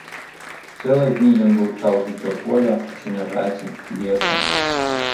Цэлыя дні ён вывучаў жыццё поля, сенажаці, лесу.